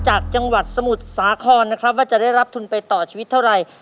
จากจังหวัดสมุทรสาครนะครับว่าจะได้รับทุนไปต่อชีวิตเท่าไหร่